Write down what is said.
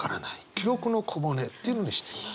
「記憶の小骨」っていうのにしてみました。